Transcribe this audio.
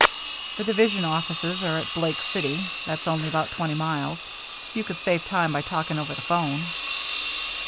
"The division offices are at Blake City. That's only about twenty miles. You could save time by talking over the 'phone."